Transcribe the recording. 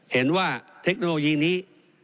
เห็นว่าเทคโนโลยีนี้